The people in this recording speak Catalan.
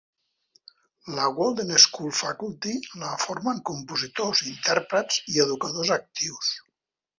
La Walden School Faculty la formen compositors, intèrprets i educadors actius.